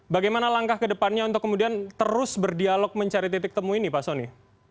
bagaimana langkah ke depannya untuk kemudian terus berdialog mencari titik temu ini pak soni